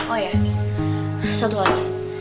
oh ya satu lagi